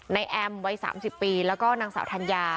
แอมวัย๓๐ปีแล้วก็นางสาวธัญญา